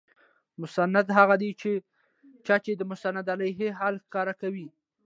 مسند هغه دئ، چي چي د مسندالیه حال ښکاره کوي.